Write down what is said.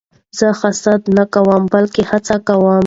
زه حسد نه کوم؛ بلکې هڅه کوم.